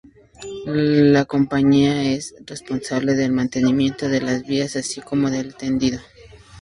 La compañía es responsable del mantenimiento de las vías así como del tendido.